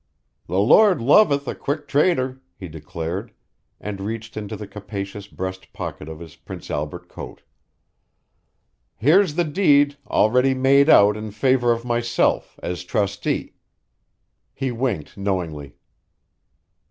"The Lord loveth a quick trader," he declared, and reached into the capacious breast pocket of his Prince Albert coat. "Here's the deed already made out in favour of myself, as trustee." He winked knowingly.